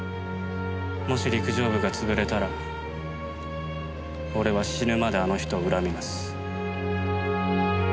もし陸上部が潰れたら俺は死ぬまであの人を恨みます。